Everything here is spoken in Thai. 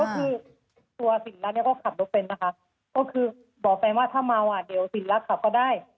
ซึ่งตัวศิลป์รักษ์นี้ก็ขับโดทเป็นและบอกแฟนว่าถ้าเม้าเดี๋ยวศิลป์รักษ์ขับก็ได้